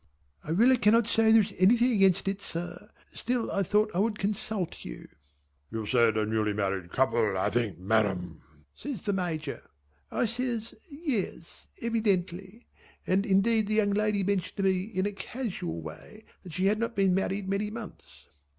"I really cannot say there is anything against it, sir, still I thought I would consult you." "You said a newly married couple, I think, Madam?" says the Major. I says "Ye es. Evidently. And indeed the young lady mentioned to me in a casual way that she had not been married many months."